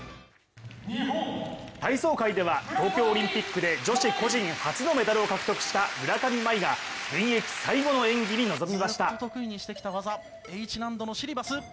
体操界では東京オリンピックで女子個人初のメダルを獲得した村上茉愛が、現役最後の演技に臨みました。